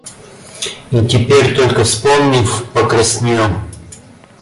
И, теперь только вспомнив, покраснел.